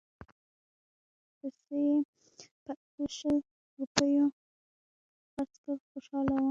پسه یې په اتو شل روپیو خرڅ کړ خوشاله وو.